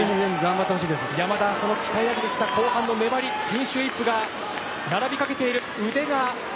山田はその鍛えられてきた後半の粘りピンシュー・イップが並びかけている。